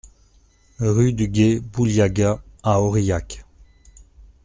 Rue du Gué Bouliaga à Aurillac